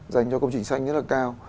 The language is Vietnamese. dành cho công trình xanh rất là cao